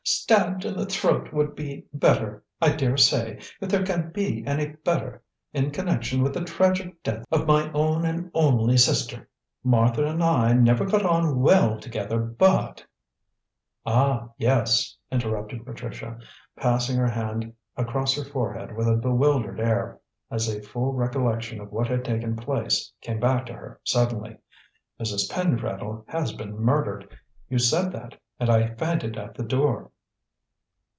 "Stabbed in the throat would be better, I daresay, if there can be any better in connection with the tragic death of my own and only sister. Martha and I never got on well together, but " "Ah, yes," interrupted Patricia, passing her hand across her forehead with a bewildered air, as a full recollection of what had taken place came back to her suddenly. "Mrs. Pentreddle has been murdered. You said that, and I fainted at the door."